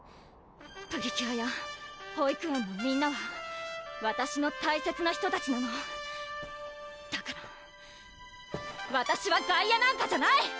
プリキュアや保育園のみんなはわたしの大切な人たちなのだからわたしは外野なんかじゃない！